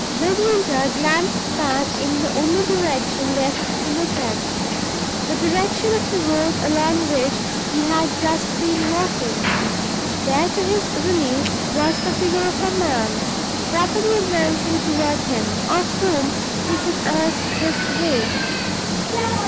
Midwinter glanced back in the only direction left to look at the direction of the road along which he had just been walking. There, to his relief, was the figure of a man, rapidly advancing toward him, of whom he could ask his way.